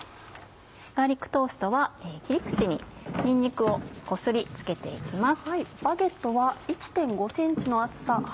ガーリックトーストは切り口ににんにくをこすりつけて行きます。